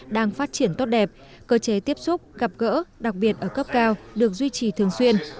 đang phát triển tốt đẹp cơ chế tiếp xúc gặp gỡ đặc biệt ở cấp cao được duy trì thường xuyên